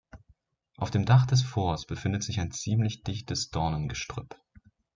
Auf dem Dach des Forts befindet sich ein ziemlich dichtes Dornengestrüpp.